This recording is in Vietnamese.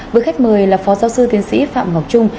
với khách mời là phó giáo sư tiến sĩ phạm ngọc trung